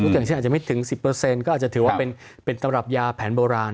อย่างเช่นอาจจะไม่ถึง๑๐ก็อาจจะถือว่าเป็นตำรับยาแผนโบราณ